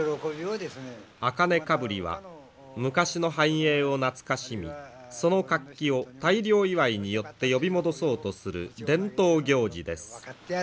茜かぶりは昔の繁栄を懐かしみその活気を大漁祝いによって呼び戻そうとする伝統行事です。